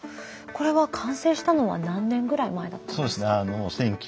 これは完成したのは何年ぐらい前だったんですか？